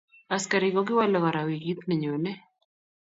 Askarik kokiwale kora wikit nenyone.